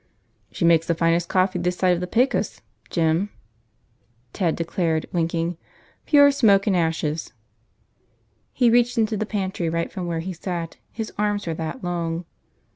"She makes the finest coffee this side of the Pecos, Jim," Ted declared, winking. "Pure smoke and ashes." He reached into the pantry right from where he sat, his arms were that long.